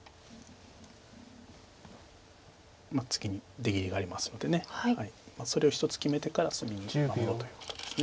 次に出切りがありますのでそれを１つ決めてから隅に守ろうということです。